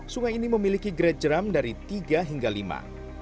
sungai ini memiliki grade jeram dari tiga hingga lima